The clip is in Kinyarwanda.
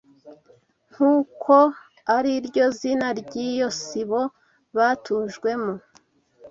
nk’uko ari na ryo zina ry’iyo Sibo batujwemo